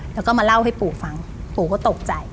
แล้วก็มาเล่าให้ปู่ฟังปู่ก็ตกใจ